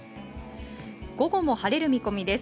午後も晴れる見込みです。